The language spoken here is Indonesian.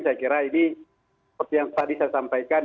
saya kira ini seperti yang tadi saya sampaikan